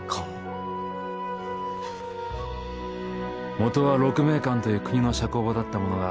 元は鹿鳴館という国の社交場だったものが